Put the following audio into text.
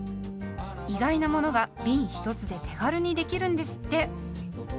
意外なものがびん１つで手軽にできるんですって。